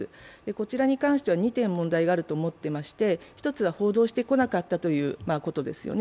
こちらに関しては２点問題がありまして１つは報道してこなかったことですよね。